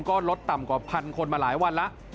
ก็ลดต่ำกว่าพันคนมาหลายวันแล้ว